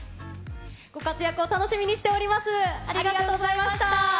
ご活躍を楽しみにしております。